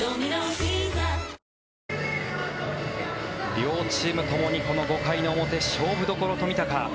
両チームともにこの５回の表勝負どころと見たか。